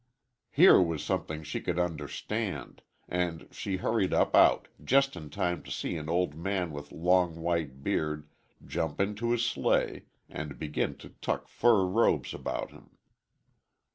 Here was something she could understand, and she hurried up out, just in time to see an old man with long white beard jump into his sleigh and begin to tuck fur robes about him.